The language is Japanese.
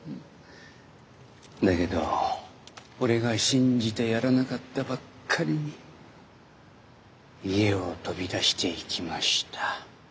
だけど俺が信じてやらなかったばっかりに家を飛び出していきました。